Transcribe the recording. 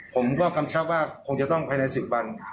ผมก็กำชับว่าคงจะต้องภายใน๑๐วัน